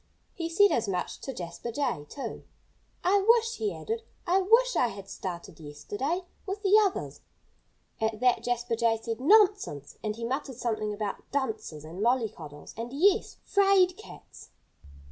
He said as much to Jasper Jay, too. "I wish " he added "I wish I had started yesterday, with the others." At that Jasper Jay said, "Nonsense!" And he muttered something about dunces, and mollycoddles, and yes! _'fraid cats!